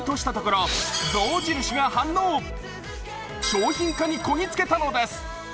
商品化にこぎ着けたのです。